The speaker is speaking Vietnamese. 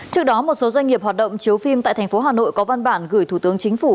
trước đó một số doanh nghiệp hoạt động chiếu phim tại thành phố hà nội có văn bản gửi thủ tướng chính phủ